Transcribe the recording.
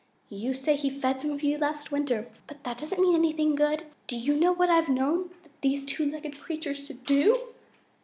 You say he fed some of you last winter, but that doesn't mean anything good. Do you know what I've known these two legged creatures to do?"